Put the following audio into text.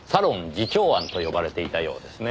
慈朝庵と呼ばれていたようですね。